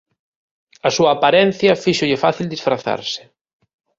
A súa aparencia fíxolle fácil disfrazarse.